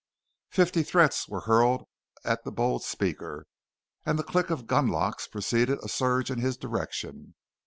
Fifty threats were hurled at the bold speaker, and the click of gunlocks preceded a surge in his direction.